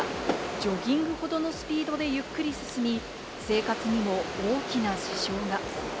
ジョギングほどのスピードでゆっくり進み、生活にも大きな支障が。